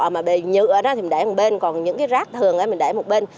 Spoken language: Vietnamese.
mà bì nhựa đó thì mình để một bên còn những cái rác thường mình để một bên